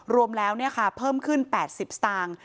รวมแล้วเนี่ยค่ะเพิ่มขึ้น๘๐สตางค์